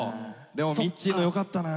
でもみっちーのよかったな。